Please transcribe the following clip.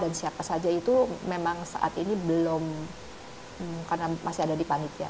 dan siapa saja itu memang saat ini belum karena masih ada di panitia